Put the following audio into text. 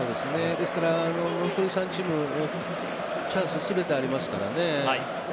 ですから残り３チームチャンス全てありますからね。